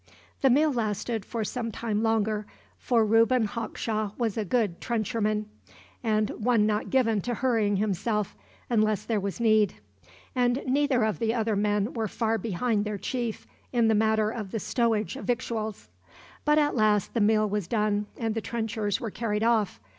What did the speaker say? The meal lasted for some time longer, for Reuben Hawkshaw was a good trencherman, and one not given to hurrying himself, unless there was need; and neither of the other men were far behind their chief, in the matter of the stowage of victuals. But at last the meal was done, and the trenchers were carried off.